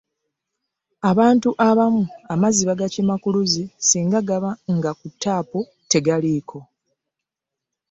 Abantu abamu amazzi bagakima kuluzi singa gaba nga ku taapu tegaliiko.